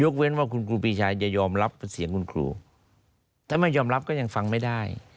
เว้นว่าคุณครูปีชาจะยอมรับเป็นเสียงคุณครูถ้าไม่ยอมรับก็ยังฟังไม่ได้